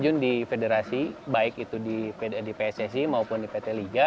terjun di federasi baik itu di pssi maupun di pt liga